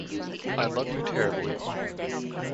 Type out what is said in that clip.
I love you terribly.